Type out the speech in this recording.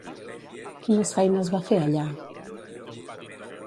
Quines feines va fer allà?